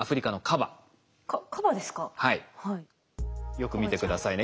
よく見て下さいね。